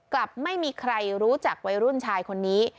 กลับไม่มีใครรู้จักวัยรุ่นชายคนนี้